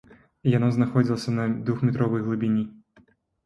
Яно знаходзілася на двухметровай глыбіні.